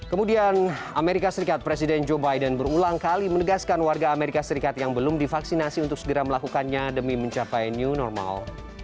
kemudian amerika serikat presiden joe biden berulang kali menegaskan warga amerika serikat yang belum divaksinasi untuk segera melakukannya demi mencapai new normal